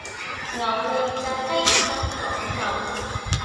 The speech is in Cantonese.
牛脷炸雞真講究